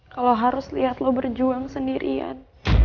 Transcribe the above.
kalau harus lihat lo berjuang sendirian